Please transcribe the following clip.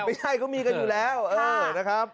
ไม่ใช่เขามีกันอยู่แล้วนะครับ